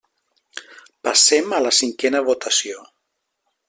Passem a la cinquena votació.